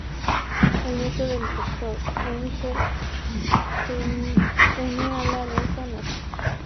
El nieto del Dr. Engel se une a la alianza Nazi.